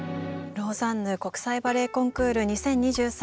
「ローザンヌ国際バレエコンクール２０２３」